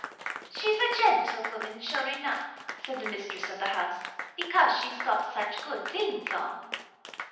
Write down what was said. "She's a gentlewoman, sure enough," said the mistress of the house, "because she's got such good things on."